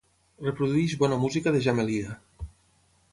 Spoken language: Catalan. Reprodueix bona música de Jamelia.